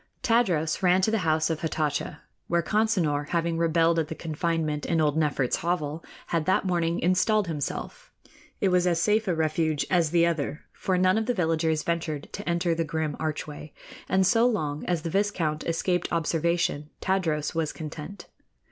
Tadros ran to the house of Hatatcha, where Consinor, having rebelled at the confinement in old Nefert's hovel, had that morning installed himself. It was as safe a refuge as the other, for none of the villagers ventured to enter the grim archway, and so long as the viscount escaped observation Tadros was content.